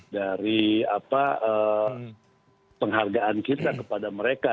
dari penghargaan kita kepada mereka